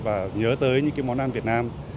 và nhớ tới những món ăn việt nam